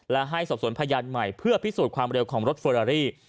และให้สอบสวนพยานใหม่เพื่อพิสูจน์ความเร็วของรถเฟอรารี่